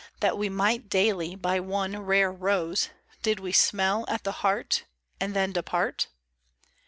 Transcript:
That we might dally By one rare rose : Did we smell at the heart. And then depart